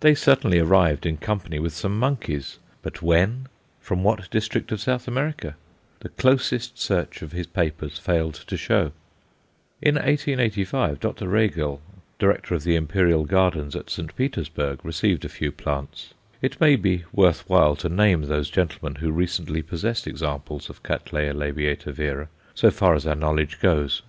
They certainly arrived in company with some monkeys; but when, from what district of South America, the closest search of his papers failed to show. In 1885, Dr. Regel, Director of the Imperial Gardens at St. Petersburg, received a few plants. It may be worth while to name those gentlemen who recently possessed examples of C. l. vera, so far as our knowledge goes.